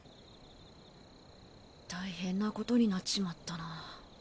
大変なことになっちまったな。